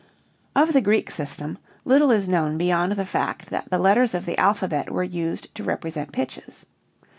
Of the Greek system little is known beyond the fact that the letters of the alphabet were used to represent pitches.